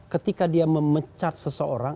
ketika dia memecat seseorang